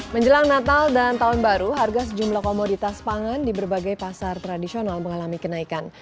menjelang natal dan tahun baru harga sejumlah komoditas pangan di berbagai pasar tradisional mengalami kenaikan